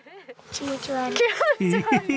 「気持ち悪い」！